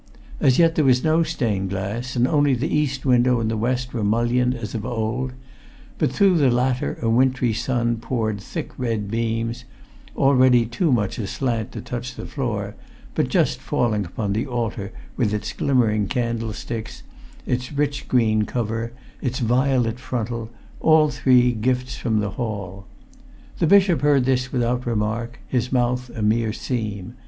As yet there was no stained glass, and only the east window and the west were mullioned as of old; but through the latter a wintry sun poured thick red beams, already too much aslant to touch the floor, but just falling upon the altar with its glimmering candlesticks, its rich green cover, its violet frontal, all three gifts from the hall. The bishop heard this without remark, his mouth a mere seam.